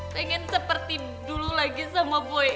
pengen seperti dulu lagi sama boy